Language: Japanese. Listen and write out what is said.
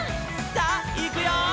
「さあいくよー！」